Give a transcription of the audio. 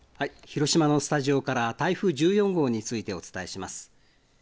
広島ののスタジオから台風１４号についてお伝えします。